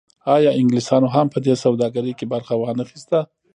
آیا انګلیسانو هم په دې سوداګرۍ کې برخه ونه اخیسته؟